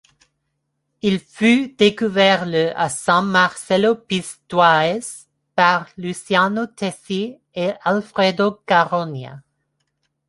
Il fut découvert le à San Marcello Pistoiese par Luciano Tesi et Alfredo Caronia.